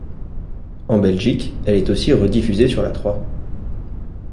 En Belgique, elle est aussi rediffusé sur La Trois.